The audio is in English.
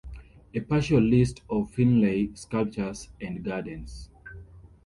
A partial list of Finlay sculptures and gardens.